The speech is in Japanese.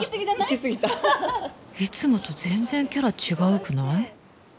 行きすぎたいつもと全然キャラ違うくない？